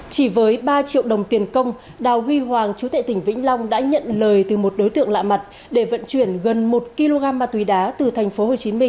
chỉ với ba triệu đồng tiền công đào huy hoàng chú tệ tỉnh vĩnh long đã nhận lời từ một đối tượng lạ mặt để vận chuyển gần một kg ma túy đá từ tp hcm